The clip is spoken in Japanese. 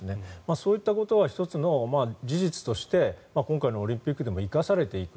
そういったことは１つの事実として今回のオリンピックでも生かされていく。